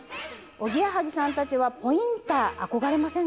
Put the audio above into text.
おぎやはぎさんたちはポインター憧れませんか？